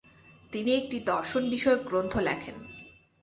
তিনি একটি দর্শনবিষয়ক গ্রন্থ লেখেন।